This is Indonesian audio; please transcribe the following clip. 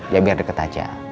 ya biar deket aja